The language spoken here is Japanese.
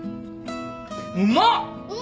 うまっ。